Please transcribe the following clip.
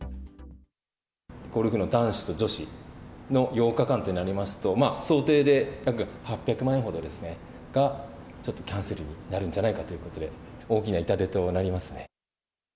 ゴルフの男子と女子の８日間となりますと、想定で約８００万円ほどが、ちょっとキャンセルになるんじゃないかということで、大きな痛手となりますね。